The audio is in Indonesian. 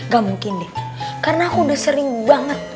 gak mungkin deh karena aku udah sering banget